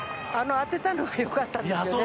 当てたのよかったですよね。